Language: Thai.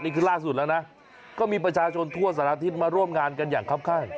นี่คือล่าสุดและนะก็มีประชาชนทั่วสนธิษฐ์มาร่วมงานกันอย่างคล้าย